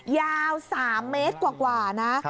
ยาว๓เมตรกว่านะ